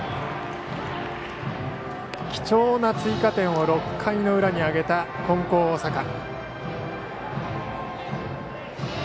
貴重な追加点を６回裏に挙げた金光大阪。